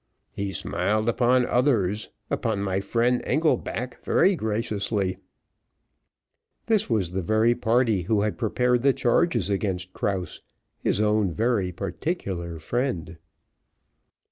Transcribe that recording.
"He smiled upon others, upon my friend, Engelback, very graciously." This was the very party who had prepared the charges against Krause his own very particular friend.